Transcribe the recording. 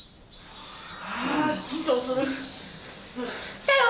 来たよ！